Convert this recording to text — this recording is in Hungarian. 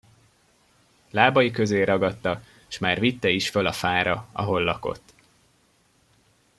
Lábai közé ragadta, s már vitte is föl a fára, ahol lakott.